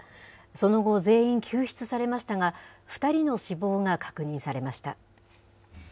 その後、全員救出されましたが、２人の死亡が確認されました。